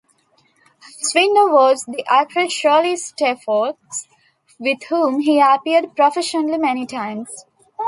His widow was the actress Shirley Stelfox, with whom he appeared professionally many times.